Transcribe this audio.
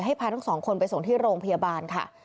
พาทั้งสองคนไปส่งที่โรงพยาบาลค่ะ